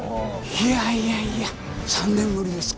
いやいやいや３年ぶりですか？